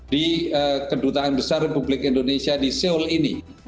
di kedutaan besar republik indonesia di seoul ini